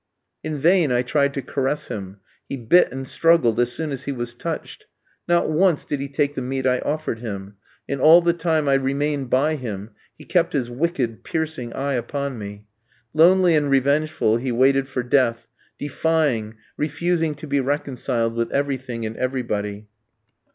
In vain I tried to caress him. He bit and struggled as soon as he was touched. Not once did he take the meat I offered him, and all the time I remained by him he kept his wicked, piercing eye upon me. Lonely and revengeful he waited for death, defying, refusing to be reconciled with everything and everybody.